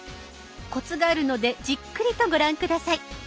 コツがあるのでじっくりとご覧下さい。